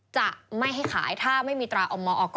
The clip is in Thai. จะไม่ให้ขายถ้าไม่มีตราอมมอกร